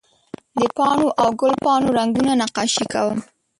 د پاڼو او ګل پاڼو رګونه نقاشي کوم